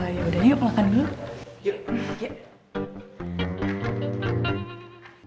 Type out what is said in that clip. yaudah yuk makan dulu